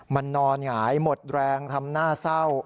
มันนอนหงายหมดแรงทำหน้าเศร้า